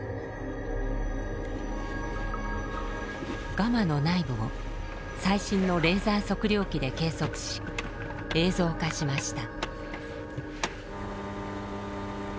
ガマの内部を最新のレーザー測量機で計測し映像化しました。